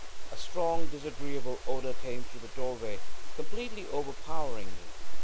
A strong disagreeable odor came through the doorway, completely overpowering me.